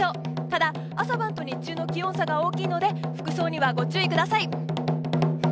ただ、朝晩と日中の気温差が大きいので服装にはご注意ください。